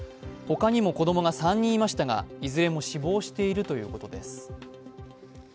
他にも子供が３人いましたが、いずれも死亡しているということです。